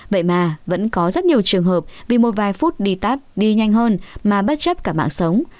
vậy mà vẫn có rất nhiều trường hợp vì một vài phút đi tát đi nhanh hơn mà bất chấp cả mạng sống